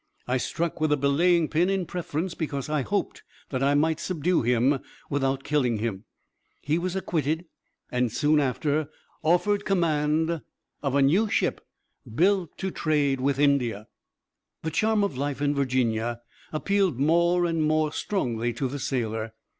I struck with a belaying pin in preference, because I hoped that I might subdue him without killing him." He was acquitted, and soon after offered command of a new ship built to trade with India. [Illustration: PAUL JONES CAPTURING THE "SERAPIS"] The charm of life in Virginia appealed more and more strongly to the sailor.